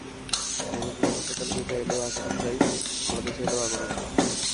বলুন লোহাকে চালাতে চাইলেও আগুন চাই, গলাতে চাইলেও আগুন চাই!